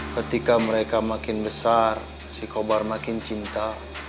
ketika mereka makin besar si kobar makin cinta